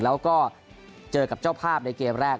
แล้วก็เจอกับเจ้าภาพในเกมแรก